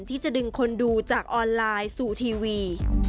ที่จะดึงคนดูจากออนไลน์สู่ทีวี